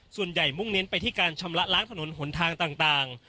มุ่งเน้นไปที่การชำระล้างถนนหนทางต่าง